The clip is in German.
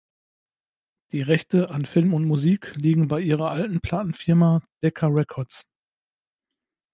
Die Rechte an Film und Musik liegen bei ihrer alten Plattenfirma Decca Records.